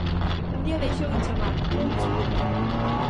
"Un día deixou de chamar", explica.